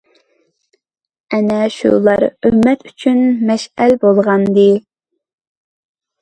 ئەنە شۇلار ئۈممەت ئۈچۈن مەشئەل بولغانىدى.